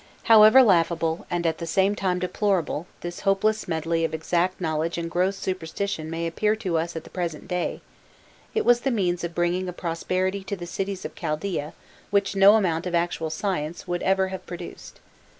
However laughable, and at the same time deplorable, this hopeless medley of exact knowledge and gross superstition may appear to us at the present day, it was the means of bringing a prosperity to the cities of Chaldaea which no amount of actual science would ever have produced.